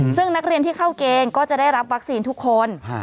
ซึ่งนักเรียนที่เข้าเกณฑ์ก็จะได้รับวัคซีนทุกคน